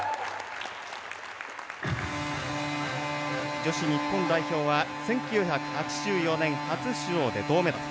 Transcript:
女子日本代表は１９８４年初出場で銅メダル。